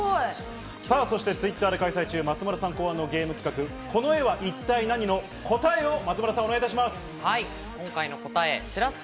そしてＴｗｉｔｔｅｒで開催中、松丸さん考案のゲーム企画「この絵は一体ナニ！？」の答えを発表します。